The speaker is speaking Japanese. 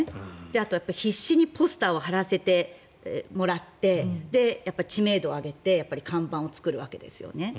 あと必死にポスターを貼らせてもらって知名度を上げて看板を作るわけですよね。